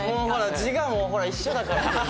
字がもうほら一緒だから。